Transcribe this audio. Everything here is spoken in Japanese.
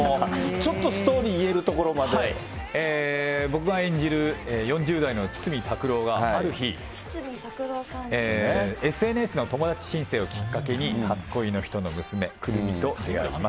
ちょっとストーリー、僕が演じる、４０代の筒見拓郎が、ある日、ＳＮＳの友達申請をきっかけに、初恋の人の娘、くるみと出会います。